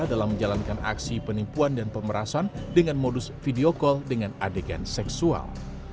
dalam menjalankan aksi penipuan dan pemerasan dengan modus video call dengan adegan seksual